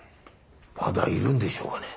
まだいるんでしょうかね？